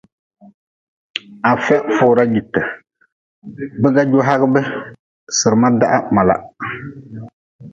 Afia fura jite, biga ju hagʼbe, Sirma dah mala.